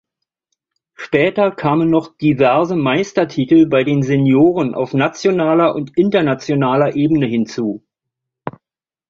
Später kamen noch diverse Meistertitel bei den Senioren auf nationaler und internationaler Ebene hinzu.